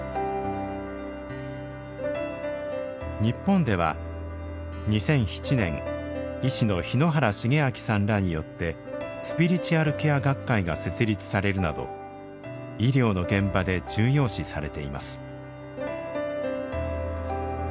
日本では２００７年医師の日野原重明さんらによってスピリチュアルケア学会が設立されるなど医療の現場で重要視されています。